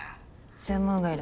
専門外だ。